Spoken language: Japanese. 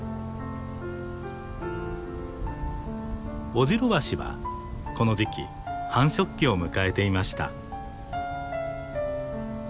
オジロワシはこの時期繁殖期を迎えていました。